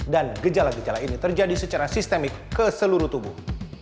dan gejala gejala ini terjadi secara sistemik ke seluruh tubuh